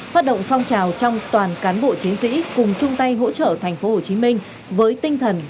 phát động phong trào trong toàn cán bộ chiến sĩ cùng chung tay hỗ trợ thành phố hồ chí minh với tinh thần